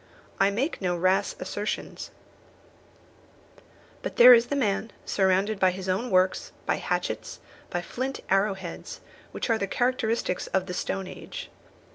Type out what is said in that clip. I make no rash assertions; but there is the man surrounded by his own works, by hatchets, by flint arrow heads, which are the characteristics of the stone age.